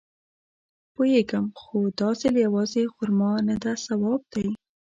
پوېېږم خو دا ځل يوازې خرما نده ثواب دی.